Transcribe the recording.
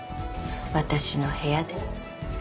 私の部屋で。